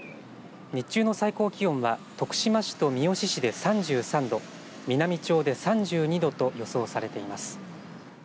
日中の最高気温は徳島市と三好市で３３度美波町で３２度と予想されています。